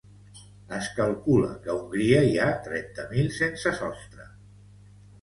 Es calcula que a Hongria hi ha trenta mil sense sostre.